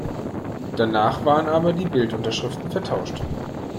Danach waren aber die Bildunterschriften vertauscht.